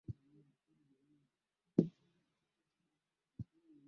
Wanacheka sana wakiwa pamoja